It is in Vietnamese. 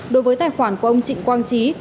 đối với tài khoản của ông trịnh quang trí